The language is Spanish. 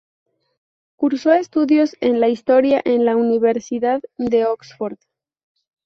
Cursó estudios de Historia en la Universidad de Oxford.